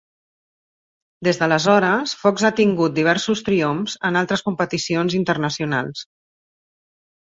Des d'aleshores, Fox ha tingut diversos triomfs en altres competicions internacionals.